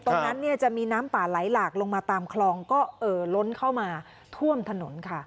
ตรงนั้นจะมีน้ำป่าไหลหลากลงมาตามคลองก็เอ่อล้นเข้ามาท่วมถนนค่ะ